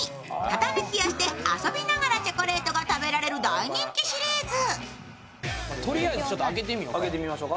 型抜きをして遊びながらチョコレートが食べられる大人気シリーズ。